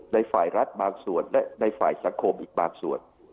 ในฝ่ายรัฐบางส่วนและในฝ่ายสังคมอีกบางส่วน